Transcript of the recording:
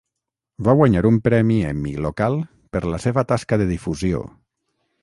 Va guanyar un premi Emmy local per la seva tasca de difusió.